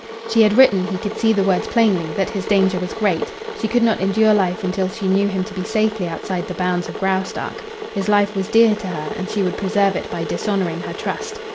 She had written he could see the words plainly that his danger was great; she could not endure life until she knew him to be safely outside the bounds of Graustark. His life was dear to her, and she would preserve it by dishonoring her trust.